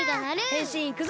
へんしんいくぞ！